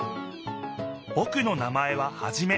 ぼくの名前はハジメ。